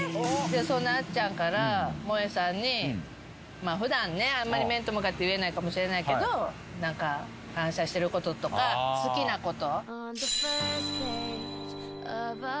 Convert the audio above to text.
そんなあっちゃんから萌さんに普段ねあんまり面と向かって言えないかもしれないけど感謝してることとか好きなこと。